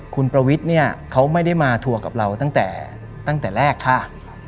คุณประวิทย์เนี่ยเขาไม่ได้มาทัวร์กับเราตั้งแต่ตั้งแต่แรกค่ะ